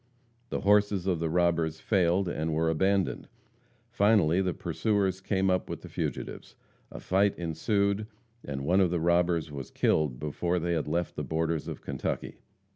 The horses of the robbers failed and were abandoned. Finally the pursuers came up with the fugitives. A fight ensued, and one of the robbers was killed before they had left the borders of Kentucky.